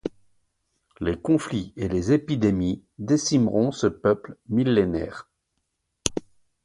Les conflits et les épidémies décimeront ce peuple millénaire.